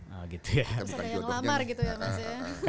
bukan yang lamar gitu ya mas ya